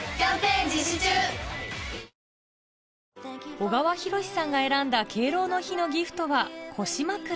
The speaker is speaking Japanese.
小川紘司さんが選んだ敬老の日のギフトは腰枕